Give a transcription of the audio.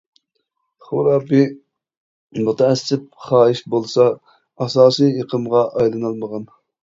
خۇراپىي، مۇتەئەسسىپ خاھىش بولسا ئاساسىي ئېقىمغا ئايلىنالمىغان.